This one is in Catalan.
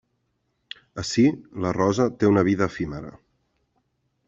Ací la rosa té una vida efímera.